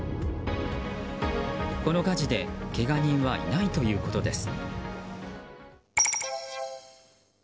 この火事で、けが人はいないということです。